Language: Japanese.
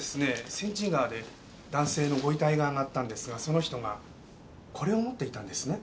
仙神川で男性のご遺体が上がったんですがその人がこれを持っていたんですね。